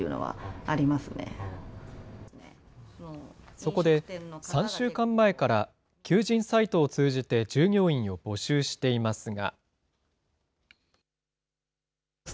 そこで、３週間前から求人サイトを通じて従業員を募集していますが。